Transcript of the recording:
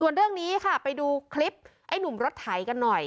ส่วนเรื่องนี้ค่ะไปดูคลิปไอ้หนุ่มรถไถกันหน่อย